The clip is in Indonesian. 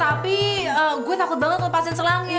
tapi gue takut banget lepasin selangnya